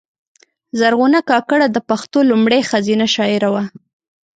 زرغونه کاکړه د پښتو لومړۍ ښځینه شاعره وه .